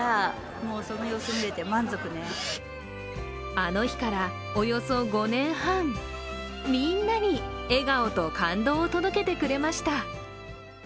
あの日からおよそ５年半、みんなに笑顔と感動を届けてくれました。